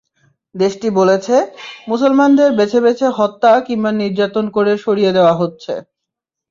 দেশটি বলেছে, মুসলমানদের বেছে বেছে হত্যা কিংবা নির্যাতন করে সরিয়ে দেওয়া হচ্ছে।